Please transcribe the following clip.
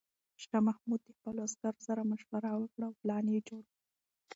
شاه محمود د خپلو عسکرو سره مشوره وکړه او پلان یې جوړ کړ.